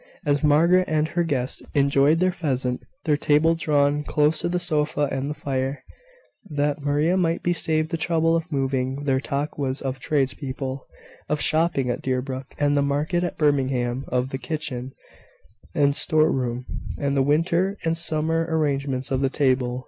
As Margaret and her guest enjoyed their pheasant, their table drawn close to the sofa and the fire, that Maria might be saved the trouble of moving, their talk was of tradespeople, of shopping at Deerbrook, and the market at Birmingham; of the kitchen and store room, and the winter and summer arrangements of the table.